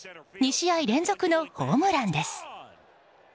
２試合連続のホームランです。